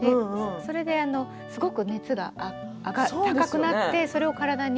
それですごく熱が高くなってそれを体に。